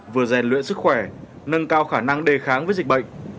vừa rèn luyện sức khỏe nâng cao khả năng đề kháng với dịch bệnh